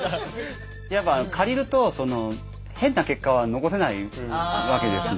やっぱ借りると変な結果は残せないわけですんで。